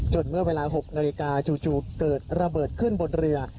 เมื่อเวลา๖นาฬิกาจู่เกิดระเบิดขึ้นบนเรือ